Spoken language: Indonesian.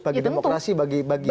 bagi demokrasi bagi kontestasi